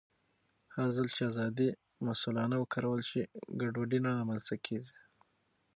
هرځل چې ازادي مسؤلانه وکارول شي، ګډوډي نه رامنځته کېږي.